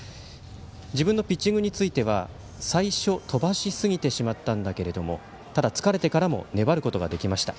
自分のピッチングについては最初飛ばしすぎてしまったんだけど疲れてからも粘ることができました。